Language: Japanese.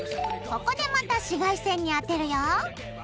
ここでまた紫外線に当てるよ。